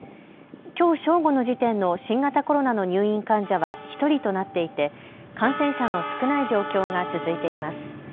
きょう正午の時点の新型コロナの入院患者は１人となっていて感染者の少ない状況が続いています。